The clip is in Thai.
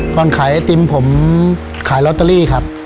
ขายไอติมผมขายลอตเตอรี่ครับ